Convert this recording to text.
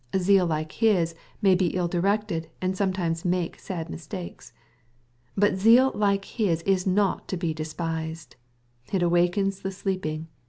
Zeal like his may be ill directed, and sometimes make sad mistakes. But zeal like his is not to be despised. It awakens the sleep ing.